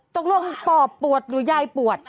ต้องล่วงปอบปวดหรือยายปวด